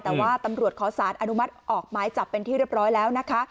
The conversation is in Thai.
แต่ว่าตำรวจขอสารอนุมัติออกหมายจับเป็นที่เรียบร้อยแล้วนะคะ